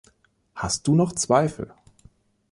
Hast du noch Zweifel?